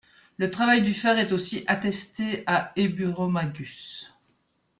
Le travail du fer est aussi attesté à Eburomagus.